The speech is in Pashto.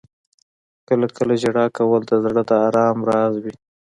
• کله کله ژړا کول د زړه د آرام راز وي.